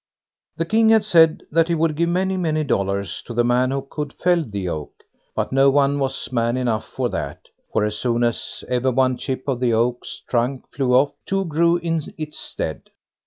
The King had said he would give many, many dollars to the man who could fell the oak, but no one was man enough for that, for as soon as ever one chip of the oak's trunk flew off, two grew in its stead.